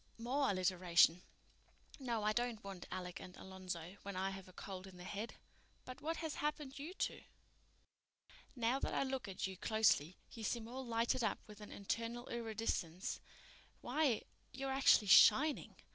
"More alliteration. No, I don't want Alec and Alonzo when I have a cold in the head. But what has happened you two? Now that I look at you closely you seem all lighted up with an internal iridescence. Why, you're actually _shining!